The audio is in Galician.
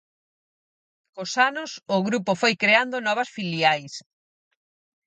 Cos anos o grupo foi creando novas filiais.